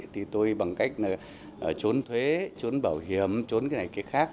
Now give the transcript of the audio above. thì tôi bằng cách trốn thuế trốn bảo hiểm trốn cái này cái khác